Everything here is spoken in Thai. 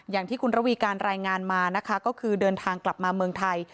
อย่างที่คุณระวีการรายงานมานะคะก็คือเดินทางกลับมาเมืองไทย